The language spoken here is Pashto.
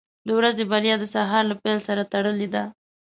• د ورځې بریا د سهار له پیل سره تړلې ده.